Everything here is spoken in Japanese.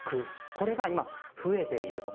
これが今、増えていると。